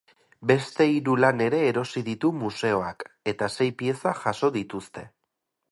Beste hiru lan ere erosi ditu museoak, eta sei pieza jaso dituzte.